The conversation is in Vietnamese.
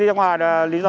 đi ra ngoài là lý do gì đấy